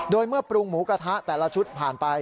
โดยเมื่อปรุงหมูกระทะแต่ละชุดผ่านไป